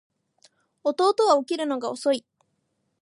弟は起きるのが遅い